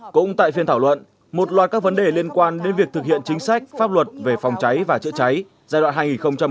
cũng tại phiên thảo luận một loạt các vấn đề liên quan đến việc thực hiện chính sách pháp luật về phòng cháy và chữa cháy giai đoạn hai nghìn một mươi bốn hai nghìn một mươi tám